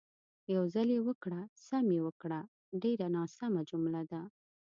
"یو ځل یې وکړه، سم یې وکړه" ډېره ناسمه جمله ده.